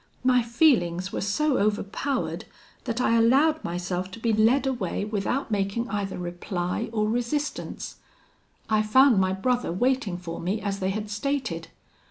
My feelings were so overpowered, that I allowed myself to be led away without making either reply or resistance. I found my brother waiting for me as they had stated.